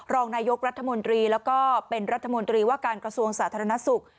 รองนายกรัฐมนตรีแล้วก็เป็นรัฐมนตรีว่าการกระทรวงสาธารณสุข